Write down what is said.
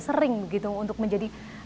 sering untuk menjadi